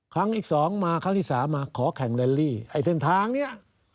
ครั้งที่สองมาครั้งที่สามมาขอแข่งแลนลี่ไอ้เส้นทางเนี่ย